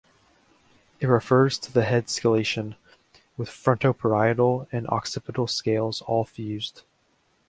It refers to the head scalation with frontoparietal and occipital scales all fused.